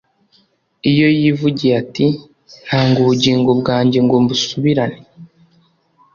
ayo yivugiye ati :«... ntanga ubugingo bwanjye ngo mbusubirane.